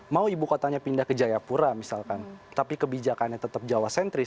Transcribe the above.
mau ibu kotanya pindah ke jayapura misalkan tapi kebijakannya tetap jawa sentris